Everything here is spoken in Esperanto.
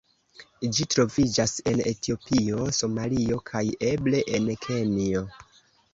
Ĝi troviĝas en Etiopio, Somalio, kaj eble en Kenjo.